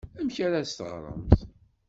Amek ara as-teɣremt?